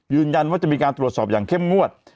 ยืนยันว่าจะมีการตรวจสอบอย่างเข้มงวด